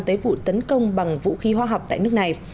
tới vụ tấn công bằng vũ khí hóa học tại nước này